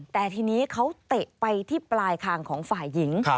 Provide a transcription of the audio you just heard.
แต่ทีนี้เขาเตะไปที่ปลายคางของฝ่ายหญิง